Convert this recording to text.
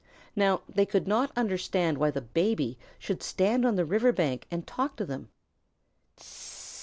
Now they could not understand why the Baby should stand on the river bank and talk to them.